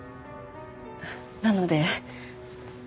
なので。